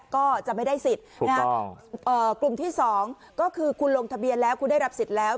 ก็จะไม่ได้สิทธิ์กลุ่มที่๒ก็คือคุณลงทะเบียนแล้วคุณได้รับสิทธิ์แล้ว